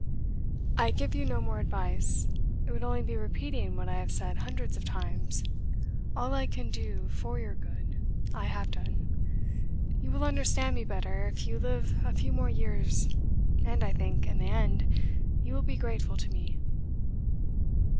'I give you no more advice; it would only be repeating what I have said hundreds of times. All I can do for your good, I have done. You will understand me better if you live a few more years, and I think, in the end, you will be grateful to me.